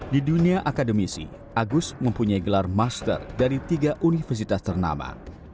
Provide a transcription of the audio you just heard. di dunia akademisi agus mempunyai gelar master dari tiga universitas ternama